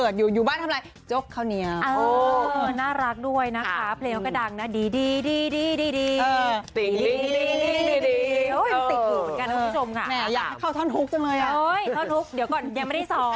เดี๋ยวก่อนยังไม่ได้ซ้อม